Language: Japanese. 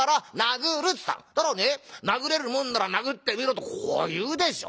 『殴れるもんなら殴ってみろ』とこう言うでしょう。